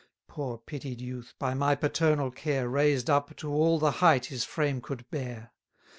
960 Poor, pitied youth, by my paternal care, Raised up to all the height his frame could bear!